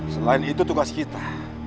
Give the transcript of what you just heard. selain itu tugas kita